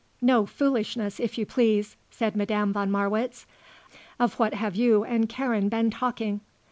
"No foolishness if you please," said Madame von Marwitz. "Of what have you and Karen been talking?"